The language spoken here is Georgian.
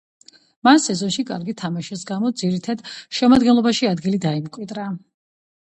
მან სეზონში კარგი თამაშის გამო ძირითად შემადგენლობაში ადგილი დაიმკვიდრა.